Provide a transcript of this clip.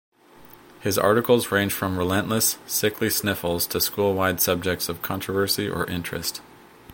His articles range from relentless sickly sniffles to school-wide subjects of controversy or interest.